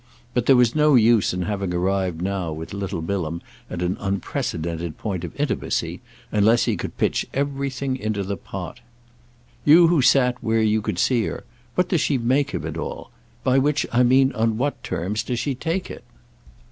But there was no use in having arrived now with little Bilham at an unprecedented point of intimacy unless he could pitch everything into the pot. "You who sat where you could see her, what does she make of it all? By which I mean on what terms does she take it?"